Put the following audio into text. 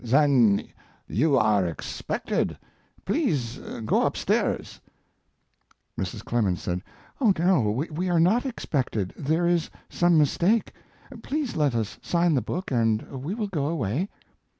"Then you are expected. Please go up stairs." Mrs. Clemens said: "Oh no, we are not expected; there is some mistake. Please let us sign the book and we will go away."